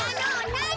なに？